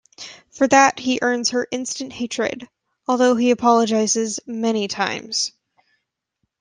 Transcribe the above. For that, he earns her instant hatred, although he apologizes many times.